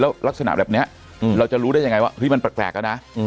แล้วลักษณะแบบนี้เราจะรู้ได้ยังไงว่ามันแปลกแล้วนะ